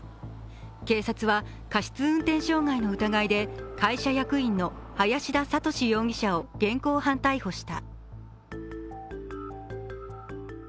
警察は過失運転傷害の疑いで会社役員の林田覚容疑者を現行犯逮捕した。